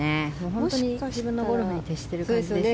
本当に自分のゴルフに徹している感じですよね。